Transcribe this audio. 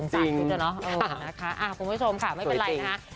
สงสารสิทธิ์จะเนาะเออนะคะอ่าคุณผู้ชมค่ะไม่เป็นไรนะฮะ